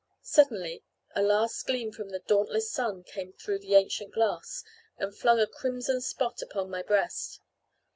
Suddenly a last gleam from the dauntless sun came through the ancient glass, and flung a crimson spot upon my breast.